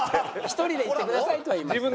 「１人で行ってください」とは言いました。